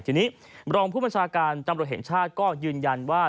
ทีนี้รองผู้บัญชาการตำรวจแห่งชาติก็ยืนยันว่า